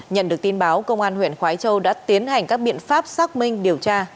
nhận được tin báo công an huyện khói châu đã tiến hành các biện pháp xác minh điều tra